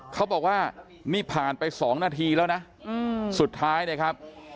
เขาบอกว่านี่ผ่านไป๒นาทีแล้วนะสุดท้ายนะครับ